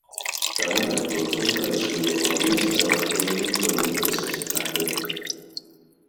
Kaunda encontró un país cuya economía estaba bajo el control de empresas extranjeras.